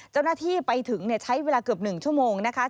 เจ้าหน้าที่ไปถึงใช้เวลาเกือบ๑ชั่วโมงนะคะ